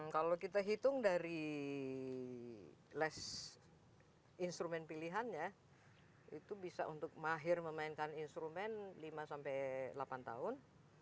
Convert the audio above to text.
kalau kita hitung dari less instrumen pilihannya itu bisa untuk mahir memainkan instrumen lima sampai delapan tahun